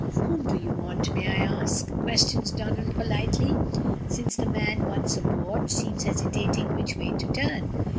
"Whom do you want, may I ask?" questions Donald politely, since the man, once aboard, seems hesitating which way to turn.